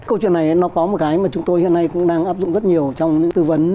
câu chuyện này nó có một cái mà chúng tôi hiện nay cũng đang áp dụng rất nhiều trong những tư vấn